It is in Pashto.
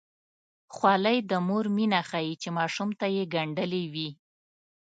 خولۍ د مور مینه ښيي چې ماشوم ته یې ګنډلې وي.